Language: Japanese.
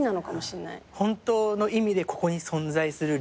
本当の意味でここに存在する理由。